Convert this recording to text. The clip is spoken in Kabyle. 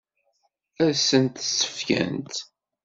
Ad sen-tt-fkent?